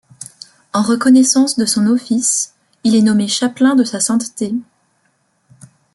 En reconnaissance de son office, il est nommé chapelain de Sa Sainteté.